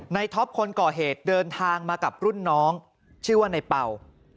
ท็อปคนก่อเหตุเดินทางมากับรุ่นน้องชื่อว่าในเป่า